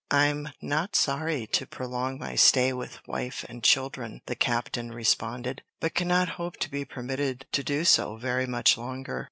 "I'm not sorry to prolong my stay with wife and children," the captain responded, "but cannot hope to be permitted to do so very much longer."